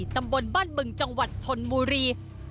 ตำบลบ้านบึงจังหวัดชนบุรี